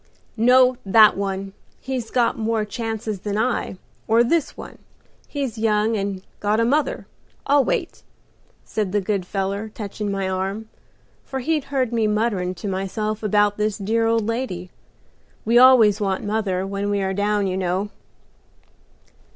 "'No, that one. He's got more chances than I, or this one; he's young and got a mother; I'll wait,' said the good feller, touchin' my arm, for he 'd heard me mutterin' to myself about this dear old lady. We always want mother when we are down, you know."